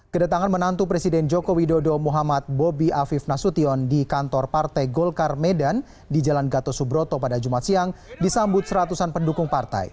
kedatangan menantu presiden joko widodo muhammad bobi afif nasution di kantor partai golkar medan di jalan gatot subroto pada jumat siang disambut seratusan pendukung partai